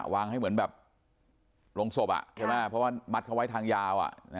วางให้เหมือนแบบลงศพเพราะว่ามัดเขาไว้ทางยาว